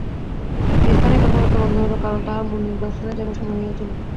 এই স্থানেই কথাবার্তা বন্ধ হইল, কারণ তাঁহার মন্দিরদর্শনে যাইবার সময় হইয়াছিল।